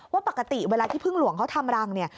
ว่าปกติเวลาที่พึ่งหลวงเขาทำรังเนี่ย